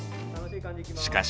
しかし。